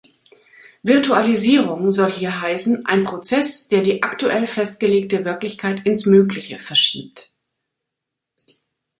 Virtualisierung soll hier heißen, ein Prozess, der die aktuell festgelegte Wirklichkeit ins Mögliche verschiebt.